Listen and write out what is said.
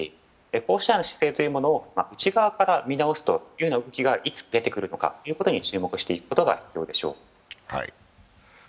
こうした姿勢というものを内側から見直すという気がいつ出てくるのかということに注目していくことが必要でしょう。